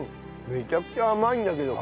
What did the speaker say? めちゃくちゃ甘いんだけど。